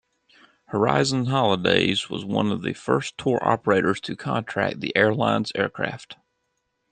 Horizon Holidays was one of the first tour operators to contract the airline's aircraft.